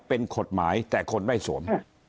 เป็นกฎหมายแต่คนไม่สวม